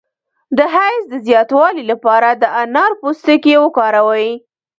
د حیض د زیاتوالي لپاره د انار پوستکی وکاروئ